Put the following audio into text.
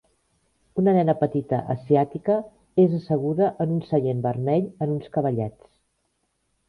Una nena petita asiàtica és asseguda en un seient vermell en uns cavallets.